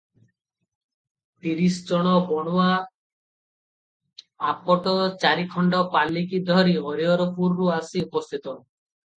ତିରିଶ ଜଣ ବଣୁଆ ଆପଟ ଚାରିଖଣ୍ଡ ପାଲିକି ଧରି ହରିହରପୁରରୁ ଆସି ଉପସ୍ଥିତ ।